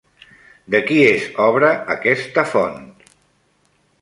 De qui és obra aquesta font?